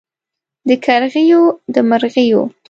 د کرغیو د مرغیو